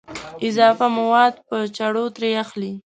اضافه مواد په چړو ترې اخلي.